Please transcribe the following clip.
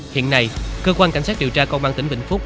hiện nay cơ quan cảnh sát điều tra công an tỉnh vĩnh phúc